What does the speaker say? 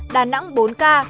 đà nẵng bốn ca